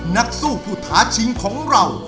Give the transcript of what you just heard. นักสู้ผู้ท้าชิงของเรา